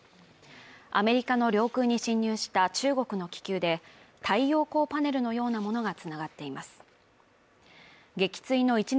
アメリカの領空に侵入した中国の気球で太陽光パネルのようなものが繋がっています。